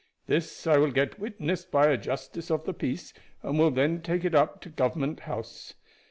This I will get witnessed by a justice of the peace, and will then take it up to Government House.